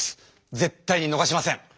絶対にのがしません！